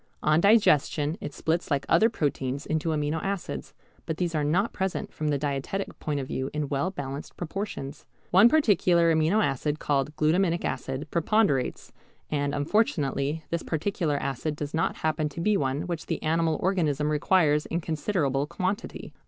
On digestion it splits like other proteins into amino acids, but these are not present from the dietetic point of view in well balanced proportions. One particular amino acid, called glutaminic acid, preponderates, and unfortunately this particular acid does not happen to be one which the animal organism requires in considerable quantity.